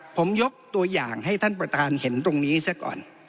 ผมยกตัวอย่างให้ท่านประธานเห็นตรงนี้ซะก่อน